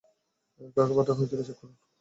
কাকে পাঠানো হয়েছিল চেক করুন।